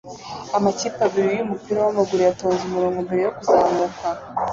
Amakipe abiri yumupira wamaguru yatonze umurongo mbere yo kuzamuka